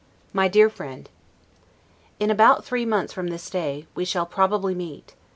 MY DEAR FRIEND: In about three months from this day, we shall probably meet.